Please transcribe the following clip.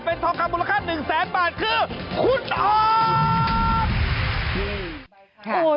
เป็นทองค่ามูลค่า๑๐๐๐๐๐บาทคือคุณออธ